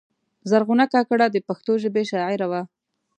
زرغونه کاکړه د پښتو ژبې شاعره وه.